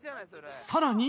さらに。